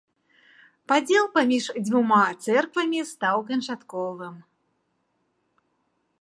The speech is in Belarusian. Падзел паміж дзвюма цэрквамі стаў канчатковым.